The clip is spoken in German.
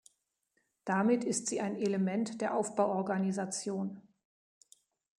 Damit ist sie ein Element der Aufbauorganisation.